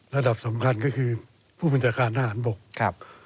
ระดับสำคัญก็คือผู้บัญจักรอาหารบก